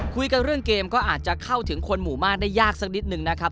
คุยกันเรื่องเกมก็อาจจะเข้าถึงคนหมู่มากได้ยากสักนิดนึงนะครับ